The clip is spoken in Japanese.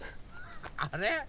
あれ？